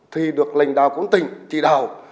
thì được lãnh đạo quân tỉnh chỉ đào